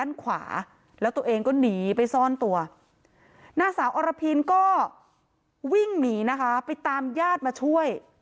นางสาวอรพินก็วิ่งหนีนะคะไปตามญาติมาช่วย